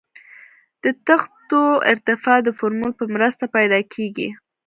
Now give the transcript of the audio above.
د تختو ارتفاع د فورمول په مرسته پیدا کیږي